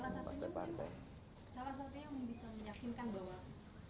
salah satunya yang bisa meyakinkan bahwa